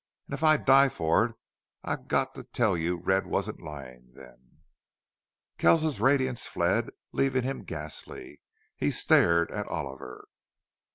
An' if I die for it I've got to tell you Red wasn't lyin' then!" Kells's radiance fled, leaving him ghastly. He stared at Oliver.